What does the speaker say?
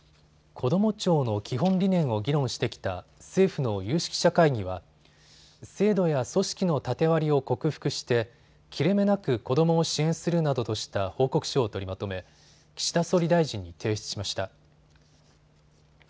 こども庁の基本理念を議論してきた政府の有識者会議は制度や組織の縦割りを克服して切れ目なく子どもを支援するなどとした報告書を取りまとめ岸田総理大臣に提出しました。